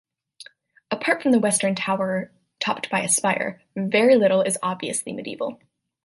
Apart from the western tower topped by a spire very little is obviously medieval.